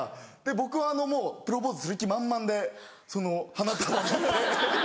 僕はプロポーズする気満々で花束持って。